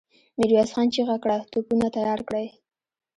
ميرويس خان چيغه کړه! توپونه تيار کړئ!